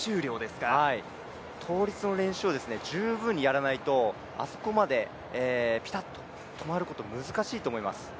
倒立の練習量を十分にやらないとあそこまでピタッと止まることは難しいと思います。